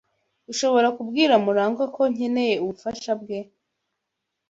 Ushobora kubwira Murangwa ko nkeneye ubufasha bwe?